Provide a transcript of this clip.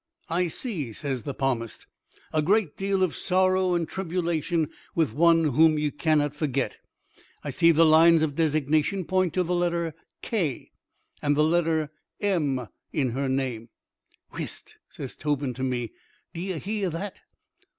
"I see," says the palmist, "a great deal of sorrow and tribulation with one whom ye cannot forget. I see the lines of designation point to the letter K and the letter M in her name." "Whist!" says Tobin to me, "do ye hear that?"